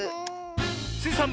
スイさん